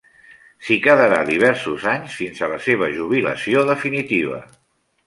S'hi quedarà diversos anys, fins a la seva jubilació definitiva.